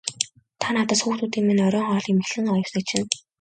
Та надаас хүүхдүүдийн минь оройн хоолыг мэхлэн аваад явсныг чинь.